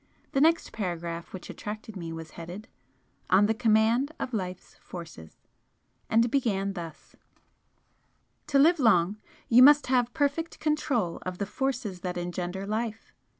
The next paragraph which attracted me was headed ON THE COMMAND OF LIFE'S FORCES and began thus: "To live long you must have perfect control of the forces that engender life.